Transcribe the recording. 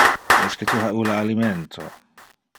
Esque tu ha ulle alimento?